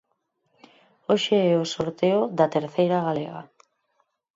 Hoxe é o sorteo da Terceira galega.